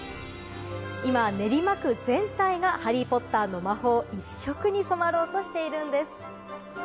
今、練馬区全体がハリー・ポッターの魔法一色に染まろうとしているんです。